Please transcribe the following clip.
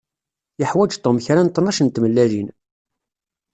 Yuḥwaǧ Tom kra n tnac n tmellalin.